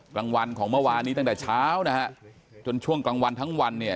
กลางวันของเมื่อวานนี้ตั้งแต่เช้านะฮะจนช่วงกลางวันทั้งวันเนี่ย